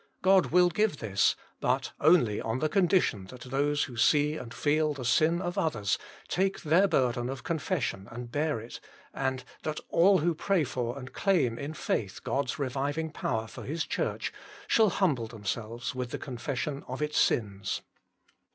God will give this, but only on the condition that those who see and feel the sin of others take their burden of confession and bear it, and that all who pray for and claim in faith God s reviving power for His Church, shall humble themselves with the confession of its sins.